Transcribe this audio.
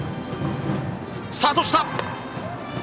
スタートした！